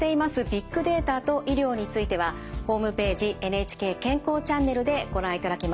ビッグデータと医療についてはホームページ「ＮＨＫ健康チャンネル」でご覧いただけます。